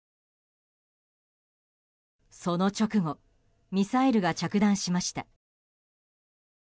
その直後ミサイルが着弾しました。